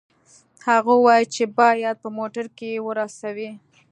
هغه وویل چې باید په موټر کې یې ورسوي